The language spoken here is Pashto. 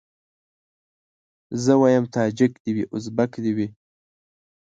زه وايم تاجک دي وي ازبک دي وي